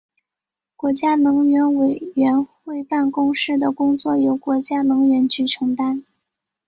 国家能源委员会办公室的工作由国家能源局承担。